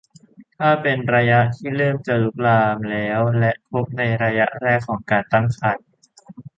ถ้าเป็นระยะที่เริ่มจะลุกลามแล้วและพบในระยะแรกของการตั้งครรภ์